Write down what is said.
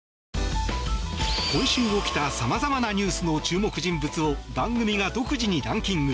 今週起きたさまざまなニュースの注目人物を番組が独自にランキング。